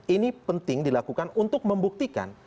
ini penting dilakukan untuk membuktikan